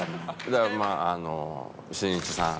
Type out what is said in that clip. まああのしんいちさん。